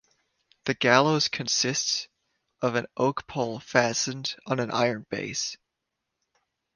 The gallows consists of an oak pole fastened on an iron base.